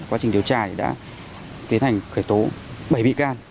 quá trình điều tra đã tiến hành khởi tố bảy bị can